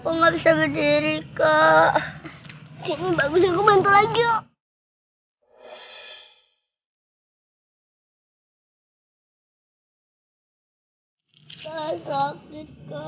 kok nggak bisa berdiri ke sini bagus aku bantu lagi